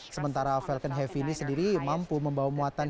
sementara falcon heavy ini sendiri mampu membawa muatan